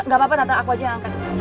gak apa apa data aku aja yang angkat